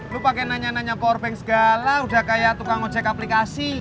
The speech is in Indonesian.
lu pake nanya nanya powerbank segala udah kayak tukang ngecek aplikasi